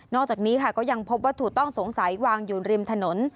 จากนี้ค่ะก็ยังพบวัตถุต้องสงสัยวางอยู่ริมถนน